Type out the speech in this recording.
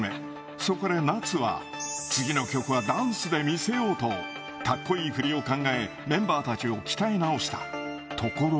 そこで夏は、次の曲はダンスで魅せようと、かっこいい振りを考え、メンバーたちを鍛え直した。